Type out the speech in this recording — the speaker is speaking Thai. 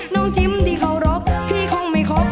จิ้มที่เคารพพี่คงไม่ครบ